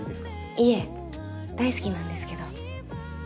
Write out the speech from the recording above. いえ大好きなんですけど。